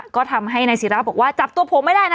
ก็ทำให้นายศิราบอกว่าจับตัวผมไม่ได้นะ